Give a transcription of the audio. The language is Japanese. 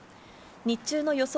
日中の予想